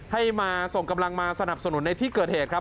ให้มาส่งกำลังมาสนับสนุนในที่เกิดเหตุครับ